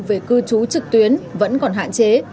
về cư trú trực tuyến vẫn còn hạn chế